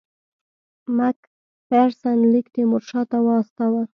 مک فیرسن لیک تیمورشاه ته واستاوه.